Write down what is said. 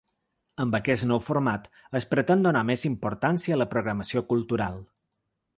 Amb aquest nou format es pretén donar més importància a la programació cultural.